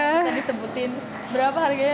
kita disebutin berapa harganya